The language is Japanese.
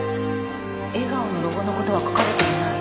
笑顔のロゴの事は書かれていない。